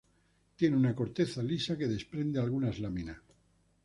Tiene una corteza lisa que desprende algunas láminas.